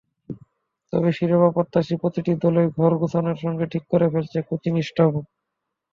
তবে শিরোপাপ্রত্যাশী প্রতিটি দলই ঘর গোছানোর সঙ্গে ঠিক করে ফেলছেন কোচিং স্টাফও।